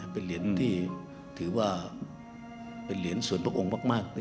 เป็นเหรียญที่ถือว่าเป็นเหรียญส่วนพระองค์มาก